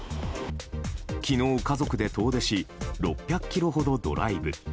昨日、家族で遠出し６００ｋｍほどドライブ。